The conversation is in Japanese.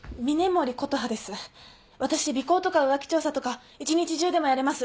私尾行とか浮気調査とか一日中でもやれます。